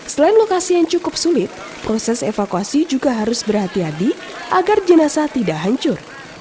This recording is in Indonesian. selain lokasi yang cukup sulit proses evakuasi juga harus berhati hati agar jenazah tidak hancur